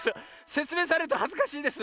せつめいされるとはずかしいです。